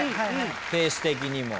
ペース的にも。